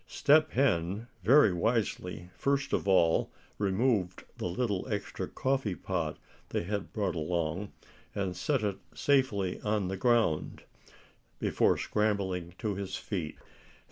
Step Hen very wisely first of all removed the little extra coffee pot they had brought along, and set it safely on the ground, before scrambling to his feet.